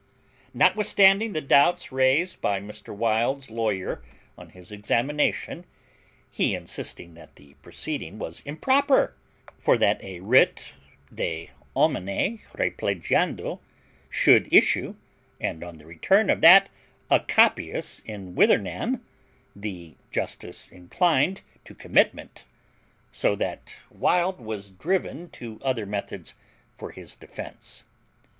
Notwithstanding the doubts raised by Mr. Wild's lawyer on his examination, he insisting that the proceeding was improper, for that a writ de homine replegiando should issue, and on the return of that a capias in withernam, the justice inclined to commitment, so that Wild was driven to other methods for his defence.